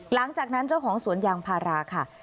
หลังจากนั้นเจ้าของสวนยางพาราค่ะ